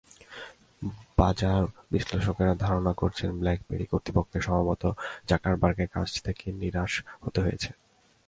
বাজার বিশ্লেষকেরা ধারণা করছেন, ব্ল্যাকবেরি কর্তৃপক্ষকে সম্ভবত জাকারবার্গের কাছ থেকে নিরাশ হতে হয়েছে।